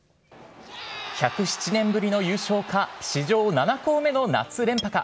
１０７年ぶりの優勝か、史上７校目の夏連覇か。